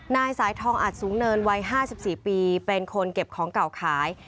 นายสายทองอัดสูงเนินวัย๕๔ปีเป็นคนเก็บของเก่าขาย